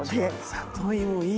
里芋いい！